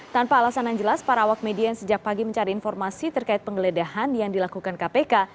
tanpa alasan yang jelas para awak media yang sejak pagi mencari informasi terkait penggeledahan yang dilakukan kpk